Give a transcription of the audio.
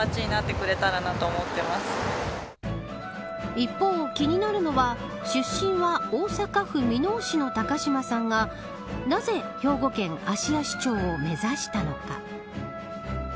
一方、気になるのは出身は大阪府、箕面市の高島さんがなぜ兵庫県芦屋市長を目指したのか。